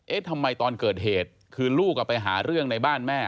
ทำไมตอนเกิดเหตุคือลูกไปหาเรื่องในบ้านแม่